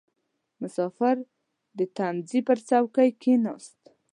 • مسافر د تمځي پر څوکۍ کښېناست.